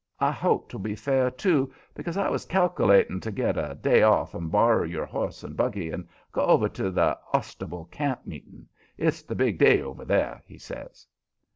I hope 'twill be fair, too, 'cause I was cal'lating to get a day off and borrer your horse and buggy and go over to the Ostable camp meeting. It's the big day over there," he says.